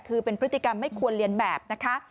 คือเป็นพฤติกรรมไม่ควรเรียนแบบนะคะ